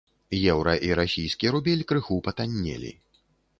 Еўра і расійскі рубель крыху патаннелі.